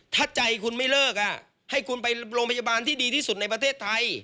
ถ้าใจคุณไม่เลิกให้คุณไปโรงพยาบาลที่ดีที่สุดในประเทศไทย